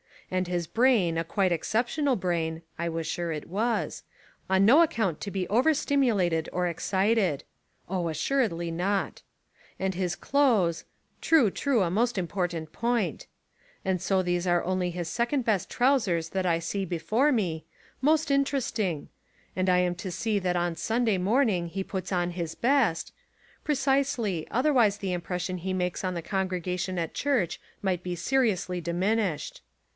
And his brain, a quite exceptional brain, — I was sure it was — on no account to be overstimulated or excited: Oh, assuredly not. And his clothes — true, true, a most important point — and so these are only 187 Essays and Literary Studies his second best trousers that I see before me — most Interesting — and I am to see that on Sun day morning he puts on his best — precisely, otherwise the impression he makes on the con gregation at church might be seriously dimin ished.